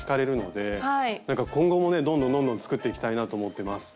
なんか今後もねどんどんどんどん作っていきたいなと思ってます。